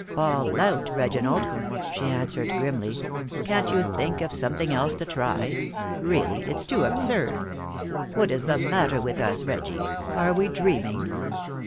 "Fall out, Reginald," she answered, grimly. "Can't you think of something else to try? Really, it's too absurd! What is the matter with us, Reggie? Are we dreaming?"